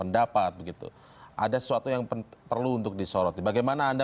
dprd itu kan legislator ya